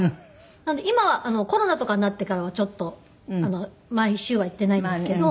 なんで今はコロナとかになってからはちょっと毎週は行っていないんですけど。